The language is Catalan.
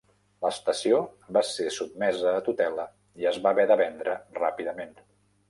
L'estació va ser sotmesa a tutela i es va haver de vendre ràpidament.